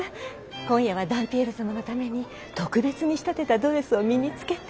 今夜はダンピエール様のために特別に仕立てたドレスを身に着けて。